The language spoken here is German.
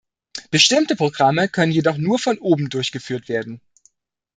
Bestimmte Programme können jedoch nur von oben durchgeführt werden.